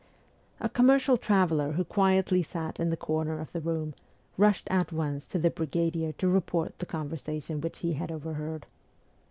A commercial traveller who quietly sat in the corner of the room, rushed at once to the brigadier to report the conversation which he had overheard.